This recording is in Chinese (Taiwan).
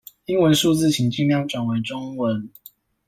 英文數字請盡量轉為中文